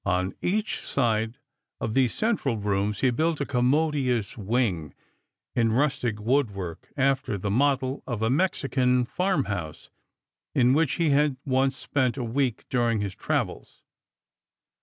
On each side of these central rooms he built a commodious wing, in rustic wood work, alter the model of a Mexican farmhouse in which he had once spent a week during his travels.